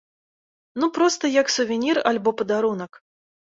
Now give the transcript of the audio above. Ну проста як сувенір альбо падарунак.